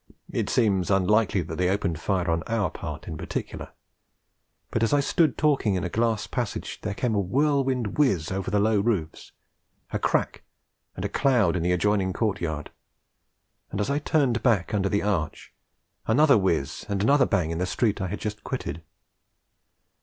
It seems unlikely that they opened fire on our part in particular, but as I stood talking in a glass passage there came a whirlwind whizz over the low roofs, a crack and a cloud in the adjoining courtyard, and, as I turned back under the arch, another whizz and another bang in the street I had just quitted.